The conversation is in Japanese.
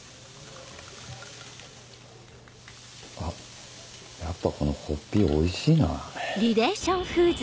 あっやっぱこのホッピおいしいな。